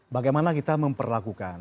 bagaimana kita memperlakukan